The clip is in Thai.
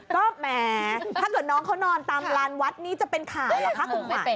ก็แหมถ้าเกิดน้องเขานอนตามลานวัดนี้จะเป็นข่าวเหรอคะคุณ